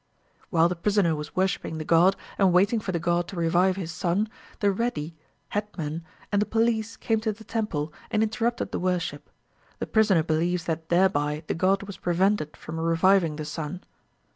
While the prisoner was worshipping the god, and waiting for the god to revive his son, the Reddi (headman) and the police came to the temple, and interrupted the worship. The prisoner believes that thereby the god was prevented from reviving the son....